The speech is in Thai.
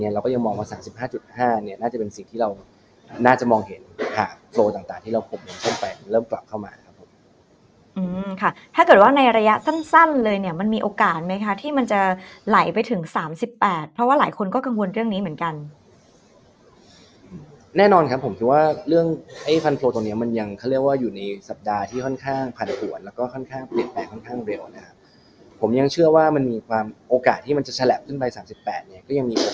ระยะสั้นเลยเนี่ยมันมีโอกาสไหมคะที่มันจะไหลไปถึง๓๘เพราะว่าหลายคนก็กังวลเรื่องนี้เหมือนกันแน่นอนครับผมคิดว่าเรื่องไอ้ฟันโพลตรงนี้มันยังเขาเรียกว่าอยู่ในสัปดาห์ที่ค่อนข้างผ่านห่วนแล้วก็ค่อนข้างเปลี่ยนแตกค่อนข้างเร็วนะครับผมยังเชื่อว่ามันมีความโอกาสที่มันจะแฉลบขึ้นไป๓๘เนี่ยก็ยัง